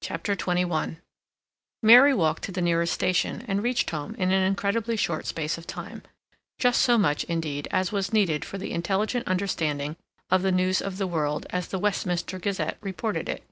CHAPTER XXI Mary walked to the nearest station and reached home in an incredibly short space of time, just so much, indeed, as was needed for the intelligent understanding of the news of the world as the "Westminster Gazette" reported it.